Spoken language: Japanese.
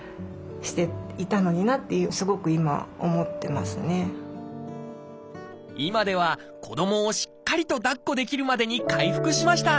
もし今では子どもをしっかりと抱っこできるまでに回復しました。